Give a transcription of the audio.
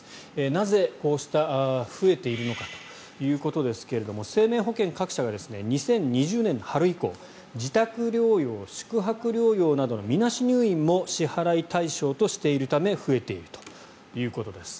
なぜ、こうして増えているのかということですが生命保険各社が２０２０年の春以降自宅療養、宿泊療養などのみなし入院も支払い対象としているため増えているということです。